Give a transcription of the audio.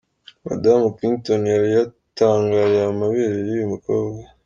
Madamu Clinton yari yatangariye amabere y'uyu mukobwa.